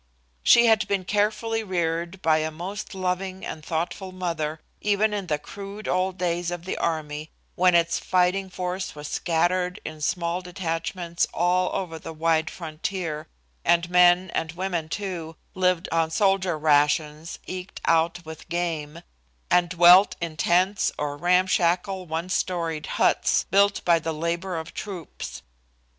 She had been carefully reared by a most loving and thoughtful mother, even in the crude old days of the army, when its fighting force was scattered in small detachments all over the wide frontier, and men, and women, too, lived on soldier rations, eked out with game, and dwelt in tents or ramshackle, one storied huts, "built by the labor of troops."